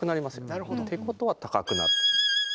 なるほど。ってことは高くなる。